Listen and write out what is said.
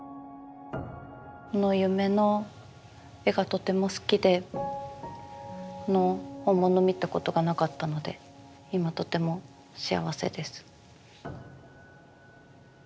この「夢」の絵がとても好きで本物を見たことがなかったので今とても幸せです。